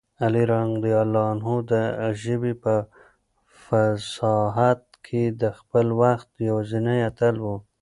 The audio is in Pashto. علي رض د ژبې په فصاحت کې د خپل وخت یوازینی اتل و.